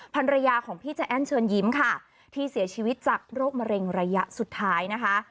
ภรรยาของพี่ใจแอ้นเชิญยิ้มค่ะที่เสียชีวิตจากโรคมะเร็งระยะสุดท้ายนะคะ